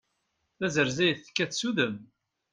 D tazerzayt tekkat s udem.